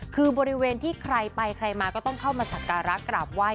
คือบริเวณที่ใครไปใครมาก็ต้องเข้ามาสักการะกราบไหว้